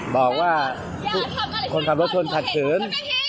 บอกว่าคนทำตัวชนผ่านชื้น